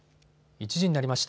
１時になりました。